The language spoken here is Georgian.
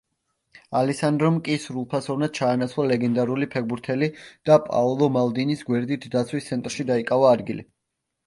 ალესანდრომ კი სრულფასოვნად ჩაანაცვლა ლეგენდარული ფეხბურთელი და პაოლო მალდინის გვერდით დაცვის ცენტრში დაიკავა ადგილი.